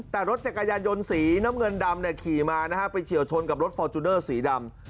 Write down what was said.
แต่รถจักรยานยนต์สีน้ำเงินดำเนี่ยขี่มานะฮะไปเฉียวชนกับรถฟอร์จูเนอร์สีดำ